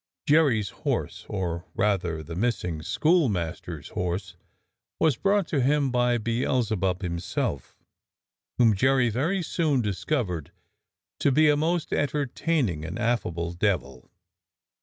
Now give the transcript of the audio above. Jerry's horse, or, rather, the missing schoolmaster's horse, was brought to him by Beelzebub himself, whom Jerry very soon discovered to be a most entertaining and affable devil.